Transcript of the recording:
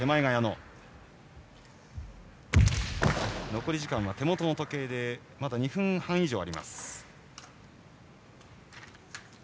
残り時間は手元の時計でまだ２分半以上。